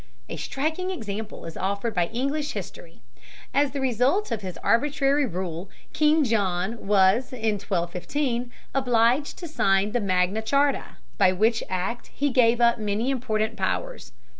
A striking example is offered by English history. As the result of his arbitrary rule, King John was in 1215 obliged to sign the Magna Charta, by which act he gave up many important powers.